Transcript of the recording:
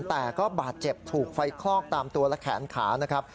แต่ก็บาดเจ็บถูกไฟคลอกตามตัวและแขนขานะครับ